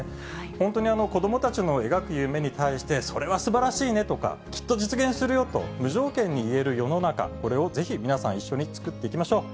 本当に子どもたちの描く夢に対して、それはすばらしいねとか、きっと実現するよと無条件に言える世の中、これをぜひ皆さん、一緒に作っていきましょう。